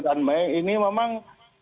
dan may ini memang